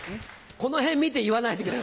この辺見て言わないでくれる？